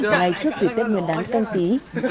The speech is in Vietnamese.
ngay trước tuyệt đất nguyên đáng canh tí